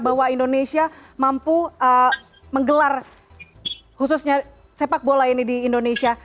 bahwa indonesia mampu menggelar khususnya sepak bola ini di indonesia